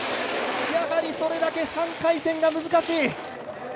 やはりそれだけ３回転が難しい。